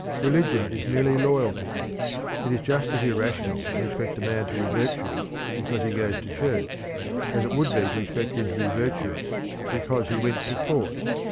Religion is merely loyalty: it is just as irrational to expect a man to be virtuous because he goes to church, as it would be to expect him to be virtuous because he went to court.